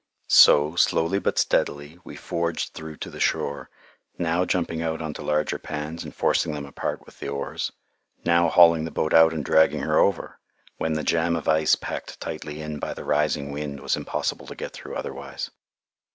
So, slowly but steadily, we forged through to the shore, now jumping out on to larger pans and forcing them apart with the oars, now hauling the boat out and dragging her over, when the jam of ice packed tightly in by the rising wind was impossible to get through otherwise.